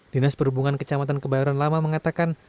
dinas perhubungan kecamatan kebayoran lama mengatakan